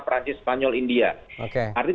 prancis spanyol india oke artinya